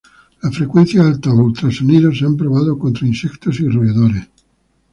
Las frecuencias altas o ultrasonidos se han probado contra insectos y roedores.